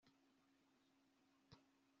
ngo uyishake uyitege iminsi wamwanawe